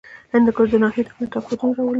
هندوکش د ناحیو ترمنځ تفاوتونه راولي.